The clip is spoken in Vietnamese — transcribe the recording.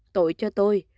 tội cho tôi